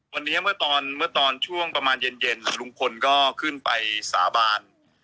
วันนี้เมื่อตอนเมื่อตอนช่วงประมาณเย็นลุงพลก็ขึ้นไปสาบาน